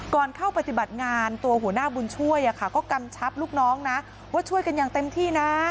ก่อนเข้าปฏิบัติงานตัวหัวหน้าบุญช่วยก็กำชับลูกน้องนะว่าช่วยกันอย่างเต็มที่นะ